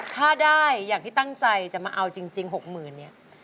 ถ้าได้อย่างที่ตั้งใจจะมาเอาจริง๖๐๐๐เนี่ย